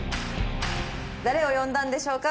誰を呼んだんでしょうか？